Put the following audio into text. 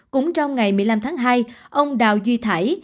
cũng trong ngày một mươi năm tháng hai ông đào duy thải